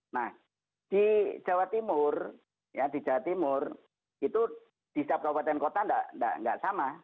nah di jawa timur ya di jawa timur itu di setiap kabupaten kota nggak sama